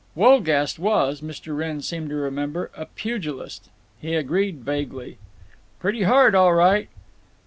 Wolgast was, Mr. Wrenn seemed to remember, a pugilist. He agreed vaguely: "Pretty hard, all right."